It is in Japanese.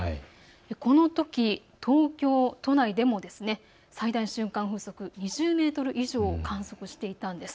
このとき東京都内でも最大瞬間風速２０メートル以上を観測していたんです。